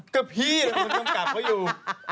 ก็พี่หนุ่มอังกฤษเขาอยู่